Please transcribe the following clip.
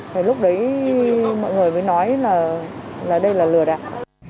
thì lúc đấy mọi người mới nói là đây là lừa đảo